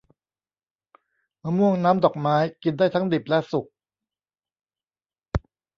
มะม่วงน้ำดอกไม้ กินได้ทั้งดิบและสุก